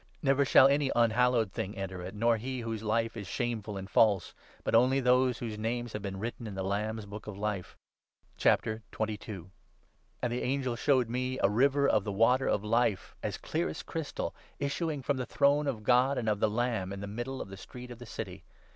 ' Never shall any unhallowed thing enter it,' nor he whose 27 life is shameful and false, but only ' those whose names have been written in the Lamb's Book of Life.' And the angel i showed me ' a river of the Water of Life,' as clear as crystal, issuing from the throne of God and of the Lamb, in the middle 2 of the street of the City.